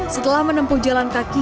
setelah menempuh jalan kaki